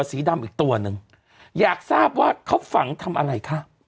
สีดำอีกตัวหนึ่งอยากทราบว่าเขาฝังทำอะไรคะ